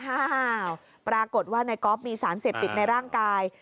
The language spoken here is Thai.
อ้าวปรากฏว่านายก๊อฟมีสารเสพติดในร่างกาย